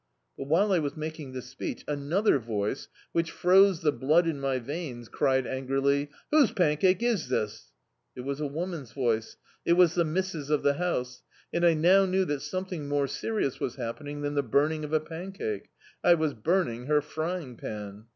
But while I was making this speech another voice, which froze the blood in my veins cried angrily — '"Whose pancake is this?" It was a woman's voice, it was the Mis. of the house; and I now knew that something more serious was happening than the burning of a pancake — I was burning her frying pan.